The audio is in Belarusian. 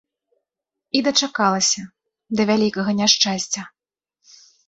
І дачакалася да вялікага няшчасця.